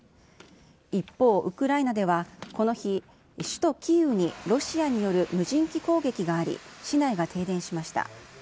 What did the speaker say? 一方、ウクライナではこの日、首都キーウにロシアによる無人機攻撃があり、市内が停電しました。